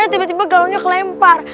tiba tiba galonnya kelempar